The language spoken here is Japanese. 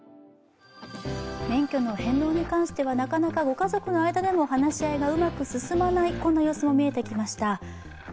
免許の返納に関しては、なかなかご家族の間でも話し合いがうまく進まない様子も見えてきました。